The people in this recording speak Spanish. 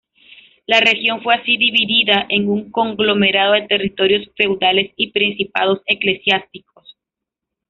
La región fue así dividida en un conglomerado de territorios feudales y principados eclesiásticos.